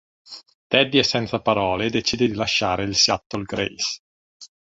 Teddy è senza parole e decide di lasciare il Seattle Grace.